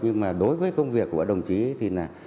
nhưng mà đối với công việc của đồng chí thì là